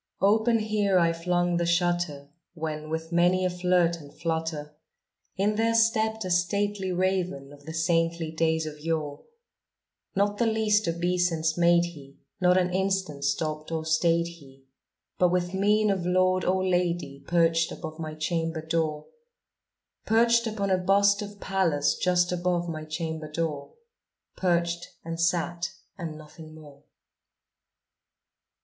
Open here I flung the shutter, when, with many a flirt and flutter, In there stepped a stately raven of the saintly days of yore. Not the least obeisance made he; not an instant stopped or stayed he; But, with mien of lord or lady, perched above my chamber door Perched upon a bust of Pallas just above my chamber door Perched, and sat, and nothing more.